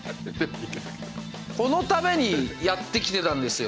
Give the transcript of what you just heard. このためにやってきてたんですよ